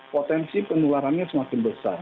potensi penularannya semakin besar